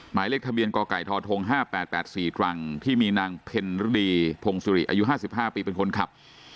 หมายเลขทำเบียนกรกัยทอทงห้าแปดแปดสี่กลางที่มีนางเพนรดีพงศุริอายุห้าสิบห้าปีเป็นคนขับ